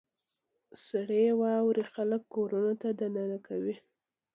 • سړې واورې خلک کورونو ته دننه کوي.